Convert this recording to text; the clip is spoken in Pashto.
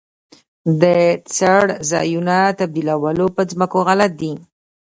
د څړځایونو تبدیلول په ځمکو غلط دي.